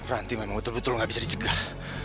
ranti memang betul betul nggak bisa dicegah